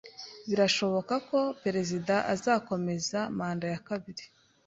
Birashoboka ko perezida azakomeza manda ya kabiri